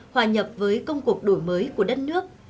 hòa nhập với công cuộc đổi mới của đất nước